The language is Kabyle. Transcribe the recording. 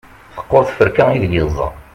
teqqur tferka ideg yeẓẓa